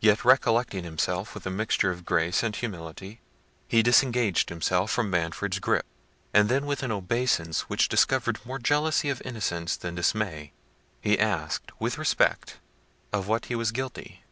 Yet recollecting himself, with a mixture of grace and humility, he disengaged himself from Manfred's grip, and then with an obeisance, which discovered more jealousy of innocence than dismay, he asked, with respect, of what he was guilty?